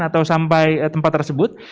atau sampai tempat tersebut